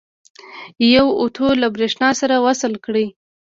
یو اوتو له برېښنا سره وصل کړئ.